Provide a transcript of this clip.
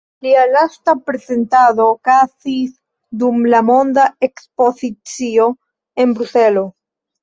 Lia lasta prezentado okazis dum la Monda Ekspozicio en Bruselo.